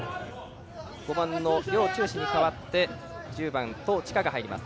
５番の梁仲志に変わって１０番、唐治華が入ります。